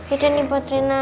ini buat reyna